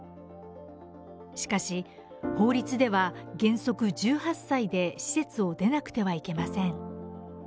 しかし、法律では原則１８歳で施設を出なくてはいけません。